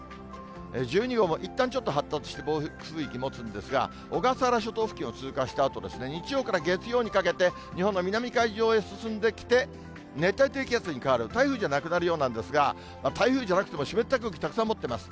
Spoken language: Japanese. １２号もいったん、ちょっと発達して暴風域持つんですが、小笠原諸島付近を通過したあと、日曜から月曜にかけて、日本の南海上へ進んできて、熱帯低気圧に変わる、台風じゃなくなるようなんですが、台風じゃなくても、湿った空気たくさん持っています。